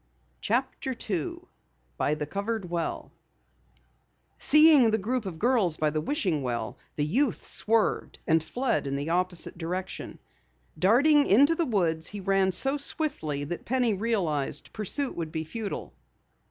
CHAPTER 2 BY THE COVERED WELL Seeing the group of girls by the wishing well, the youth swerved, and fled in the opposite direction. Darting into the woods, he ran so swiftly that Penny realized pursuit would be futile.